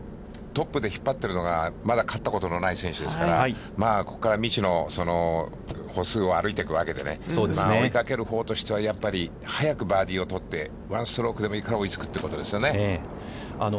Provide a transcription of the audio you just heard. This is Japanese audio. トップで引っ張っているのが、まだ勝ったことのない選手ですから、まあここから未知の舗装を歩いていくわけで、追いかけるほうとしてはやっぱり、早くバーディーを取って、１ストロークでもいいから追いつくということですよね。